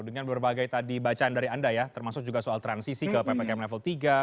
dengan berbagai tadi bacaan dari anda ya termasuk juga soal transisi ke ppkm level tiga